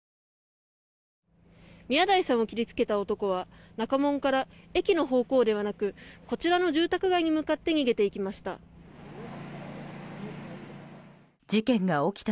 宮台さんを切りつけた男は中門から駅の方向ではなくこちらの住宅街に向かって逃げていきました。